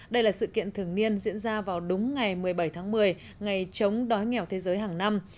đây là sự kiện thường niên diễn ra vào đúng ngày một mươi bảy tháng một mươi ngày chống đói nghèo thế giới hàng năm